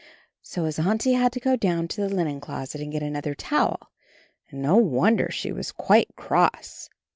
So his Auntie had to go down to the linen closet and get another towel, and no wonder she was quite cross.